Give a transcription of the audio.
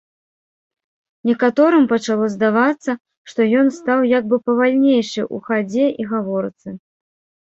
Некаторым пачало здавацца, што ён стаў як бы павальнейшы ў хадзе і гаворцы.